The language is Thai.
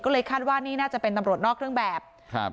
ก็เลยคาดว่านี่น่าจะเป็นตำรวจนอกเครื่องแบบครับ